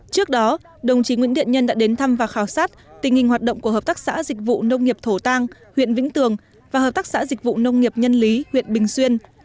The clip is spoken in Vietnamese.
trước đó đồng chí nguyễn điện nhân đã đến thăm và khảo sát tình hình hoạt động của hợp tác xã dịch vụ nông nghiệp thổ tăng huyện vĩnh tường và hợp tác xã dịch vụ nông nghiệp nhân lý huyện bình xuyên